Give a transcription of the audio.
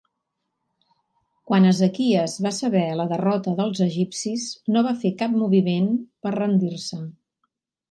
Quan Ezequies va saber la derrota dels egipcis no va fer cap moviment per rendir-se.